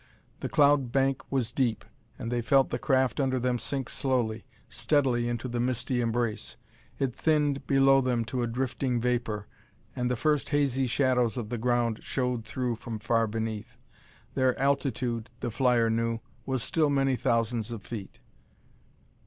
The cloud bank was deep, and they felt the craft under them sink slowly, steadily into the misty embrace. It thinned below them to drifting vapor, and the first hazy shadows of the ground showed through from far beneath. Their altitude, the flyer knew, was still many thousands of feet.